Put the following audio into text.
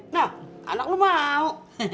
nah anak lo mau